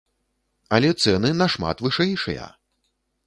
Але цэны нашмат вышэйшыя!